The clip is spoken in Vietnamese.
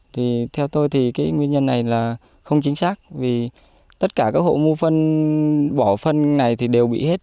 thì theo tôi thì cái nguyên nhân này là không chính xác vì tất cả các hộ mua phân bỏ phân này thì đều bị hết